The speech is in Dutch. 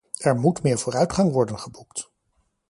Er moet meer vooruitgang worden geboekt.